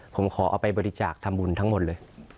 ผมขอเอาไปบริจาคทำบุญทั้งหมดเลย